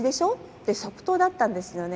って即答だったんですよね。